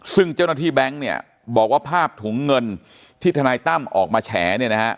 ซึ่งเจ้าหน้าที่แบงค์บอกว่าภาพถุงเงินที่ธนายตั้มออกมาแฉ